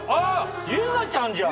優雅ちゃんじゃん！